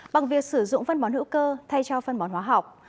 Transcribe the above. bằng việc sử dụng phân bón hữu cơ thay cho phân bón hóa học